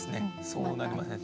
そうなりますね。